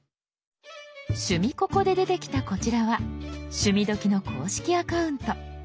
「趣味ココ」で出てきたこちらは「趣味どきっ！」の公式アカウント。